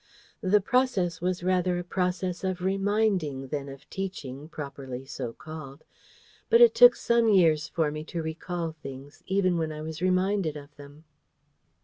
The process was rather a process of reminding than of teaching, properly so called. But it took some years for me to recall things, even when I was reminded of them.